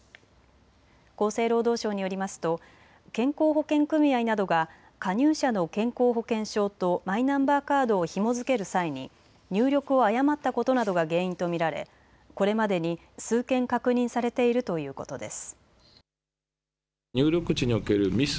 厚生労働省によりますと健康保険組合などが加入者の健康保険証とマイナンバーカードをひも付ける際に入力を誤ったことなどが原因と見られこれまでに数件確認されているということです。